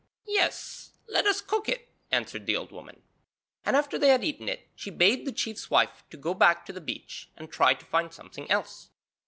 'Yes, let us cook it,' answered the old woman, and after they had eaten it she bade the chief's wife go back to the beach and try to find something else.